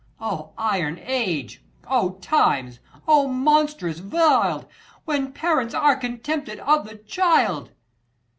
Oh iron age ! O times ! O monstrous, vild, When parents are contemned of the child